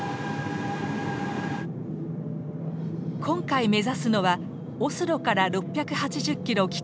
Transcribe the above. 今回目指すのはオスロから６８０キロ